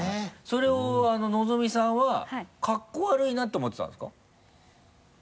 それをのぞみさんはカッコ悪いなって思ってたんですか？